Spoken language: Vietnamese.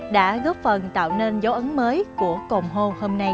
đã góp phần tạo nên dấu ấn mới của cồn hô hôm nay